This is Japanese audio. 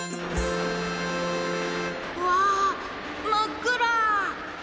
うわまっくら！